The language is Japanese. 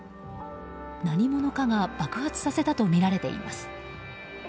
何者かが爆発させたとみられています。